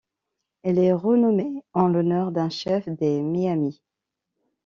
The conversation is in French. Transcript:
Elle est renommée en l'honneur d'un chef des Miamis.